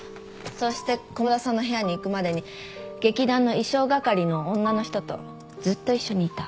そして駒田さんの部屋に行くまでに劇団の衣装係の女の人とずっと一緒にいた。